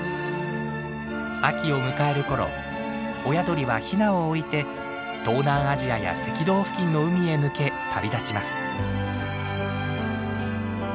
秋を迎える頃親鳥はヒナを置いて東南アジアや赤道付近の海へ向け旅立ちます。